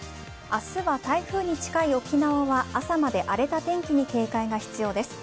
明日は、台風に近い沖縄は朝まで荒れた天気に警戒が必要です。